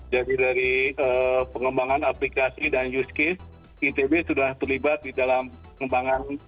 jadi dari pengembangan aplikasi dan use case itb sudah terlibat di dalam pengembangan